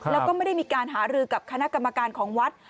แล้วก็ไม่ได้มีการหารือกับคณะกรรมการของวัด